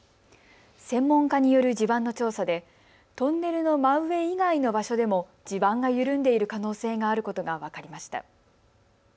専門家による地盤の調査でトンネルの真上以外の場所でも地盤が緩んでいる可能性があることが分かりました。